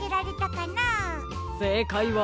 せいかいは。